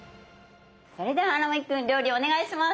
それでは荒牧君料理お願いします。